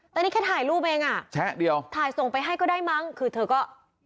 แต่นี่แค่ถ่ายรูปเองอ่ะแชะเดียวถ่ายส่งไปให้ก็ได้มั้งคือเธอก็